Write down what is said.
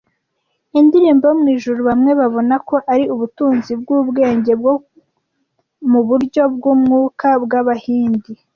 Indirimbo yo mu ijuru bamwe babona ko ari ubutunzi bw’ubwenge bwo mu buryo bw’umwuka bw’Abahindi